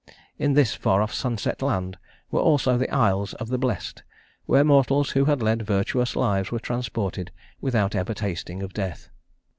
In this far off sunset land were also the Isles of the Blest, where mortals who had led virtuous lives were transported without ever tasting of death.